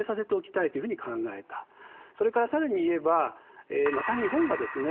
それから更に言えばまた日本がですね